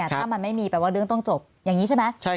ถ้ามันไม่มีแปลว่าเรื่องต้องจบอย่างนี้ใช่ไหม